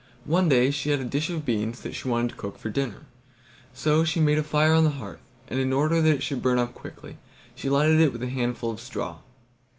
One day she had a dish of beans which she wanted to cook for dinner, so she made a fire on the hearth, and in order that it should burn up quickly she lighted it with a handful of straw.